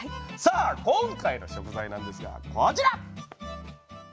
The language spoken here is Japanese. さあ今回の食材なんですがこちら！